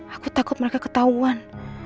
aku takut mereka ketahuan